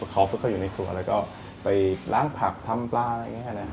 เขาฝึกเข้าอยู่ในครัวแล้วก็ไปล้างผักทำปลาอะไรแบบนี้แค่นั้น